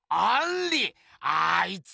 あいつか！